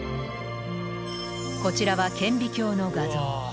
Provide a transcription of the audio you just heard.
こちらは顕微鏡の画像。